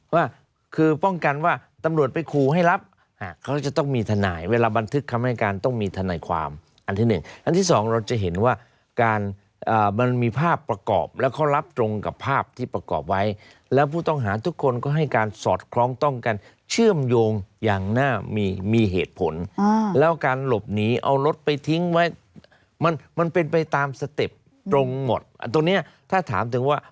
ว่าคือป้องกันว่าตำรวจไปคู่ให้รับเขาจะต้องมีทนายเวลาบันทึกคำให้การต้องมีทนายความอันที่หนึ่งอันที่สองเราจะเห็นว่าการมันมีภาพประกอบแล้วเขารับตรงกับภาพที่ประกอบไว้แล้วผู้ต้องหาทุกคนก็ให้การสอดคล้องต้องกันเชื่อมโยงอย่างน่ามีมีเหตุผลแล้วการหลบหนีเอารถไปทิ้งไว้มันมันเป็นไปตามสเต็ปตรงหมดอันตรงเนี้ยถ้าถามถึงว่า